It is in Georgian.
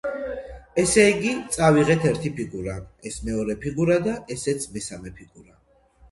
ესე იგი წავიღეთ ერთი ფიგურა, ეს მეორე ფიგურა და ესეც მესამე ფიგურა.